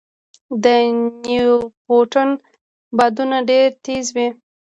د نیپټون بادونه ډېر تېز دي.